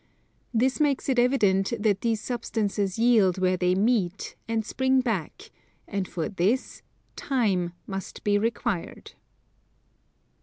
This makes it evident that these substances yield where they meet, and spring back: and for this time must be required.